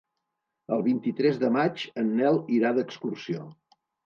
El vint-i-tres de maig en Nel irà d'excursió.